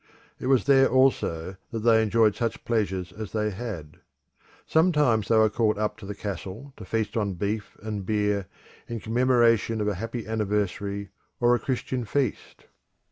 It was there also that they enjoyed such pleasures as they had. Sometimes they were called up to the castle to feast on beef and beer in commemoration of a happy anniversary or a Christian feast.